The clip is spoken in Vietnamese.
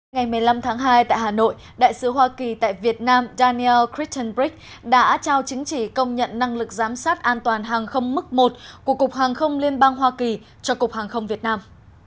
ngày một mươi năm tháng hai tại hà nội đại sứ hoa kỳ tại việt nam daniel crittenbrick đã trao chứng chỉ công nhận năng lực giám sát an toàn hàng không mức một của cục hàng không liên bang hoa kỳ cho cục hàng không việt nam